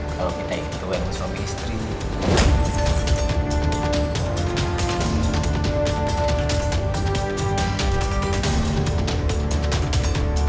kalau kita itu yang bos pampis terini